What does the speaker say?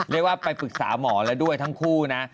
เรียกว่าไปปรึกษาหมอแล้วด้วยทั้งคู่นะ